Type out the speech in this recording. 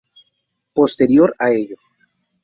Posterior a ello.